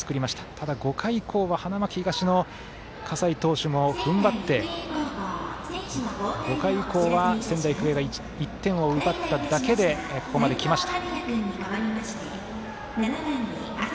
ただ、５回以降は花巻東の葛西投手もふんばって５回以降は仙台育英が１点を奪っただけでここまできました。